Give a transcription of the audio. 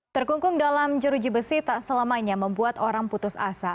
terkungkung dalam jeruji besi tak selamanya membuat orang putus asa